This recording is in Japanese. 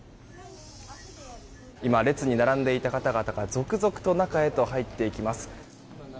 今、列に並んでいた方々が続々と中へと入っていきます。